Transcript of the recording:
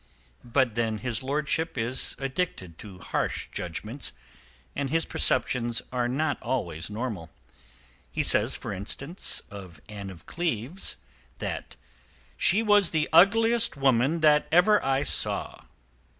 But then his lordship is addicted to harsh judgments and his perceptions are not always normal. He says, for instance, of Anne of Cleves, that she was the "ugliest woman that ever I saw."